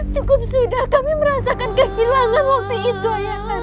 cukup sudah kami merasakan kehilangan ayah anda